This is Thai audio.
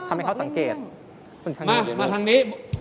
มามาทางนี้